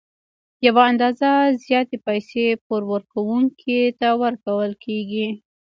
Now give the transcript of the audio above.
یوه اندازه زیاتې پیسې پور ورکوونکي ته ورکول کېږي